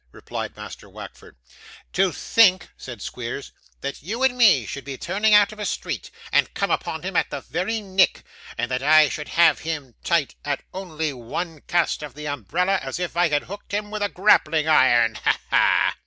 replied Master Wackford. 'To think,' said Squeers, 'that you and me should be turning out of a street, and come upon him at the very nick; and that I should have him tight, at only one cast of the umbrella, as if I had hooked him with a grappling iron! Ha, ha!